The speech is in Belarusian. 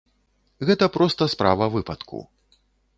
Гэта проста справа выпадку.